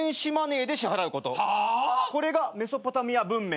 これがメソポタミア文明。